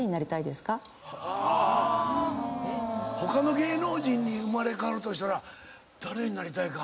他の芸能人に生まれ変わるとしたら誰になりたいか。